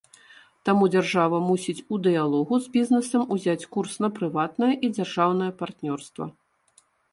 Таму дзяржава мусіць у дыялогу з бізнэсам узяць курс на прыватнае і дзяржаўнае партнёрства.